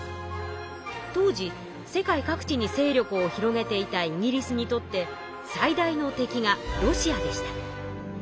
当時世界各地に勢力を広げていたイギリスにとって最大の敵がロシアでした。